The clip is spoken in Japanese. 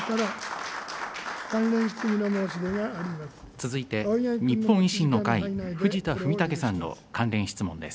続いて日本維新の会、藤田文武さんの関連質問です。